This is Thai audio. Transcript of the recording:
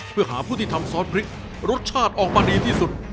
เพื่อหาผู้ที่ทำซอสพริกรสชาติออกมาดีที่สุด